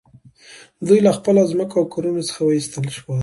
دوی له خپلو ځمکو او کورونو څخه وویستل شول